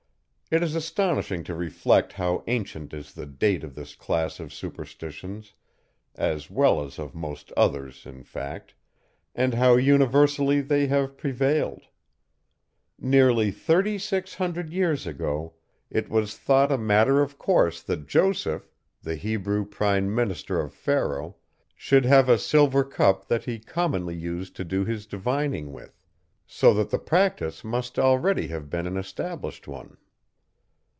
It is astonishing to reflect how ancient is the date of this class of superstitions (as well as of most others, in fact,) and how universally they have prevailed. Nearly thirty six hundred years ago, it was thought a matter of course that Joseph, the Hebrew Prime Minister of Pharaoh, should have a silver cup that he commonly used to do his divining with: so that the practice must already have been an established one.